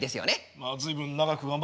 まあ随分長く頑張ってますね